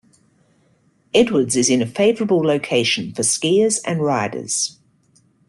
Edwards is in a favorable location for skiers and riders.